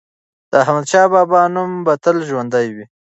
د احمدشاه بابا نوم به تل ژوندی وي.